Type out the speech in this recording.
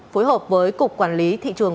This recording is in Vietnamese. phối hợp với cục quản lý thị trường